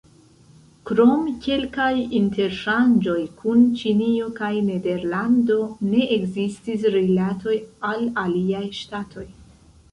Krom kelkaj interŝanĝoj kun Ĉinio kaj Nederlando ne ekzistis rilatoj al aliaj ŝtatoj.